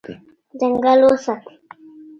ځنګل وساتئ.